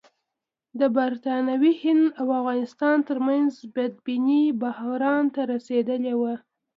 د برټانوي هند او افغانستان ترمنځ بدبیني بحران ته رسېدلې وه.